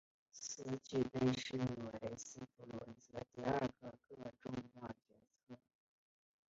此举被视为斯普鲁恩斯的第二个个重要决策。